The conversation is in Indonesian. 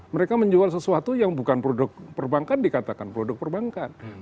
mereka menjual sesuatu yang bukan produk perbankan dikatakan produk perbankan